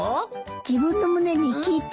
自分の胸に聞いて！